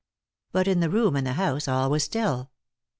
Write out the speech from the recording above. But in the room and the house all was still.